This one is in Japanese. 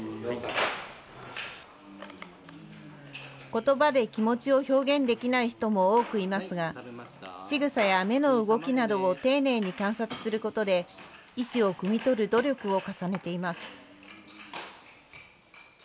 ことばで気持ちを表現できない人も多くいますが、しぐさや目の動きなどを丁寧に観察することで、意思をくみ取る努力を重ねています。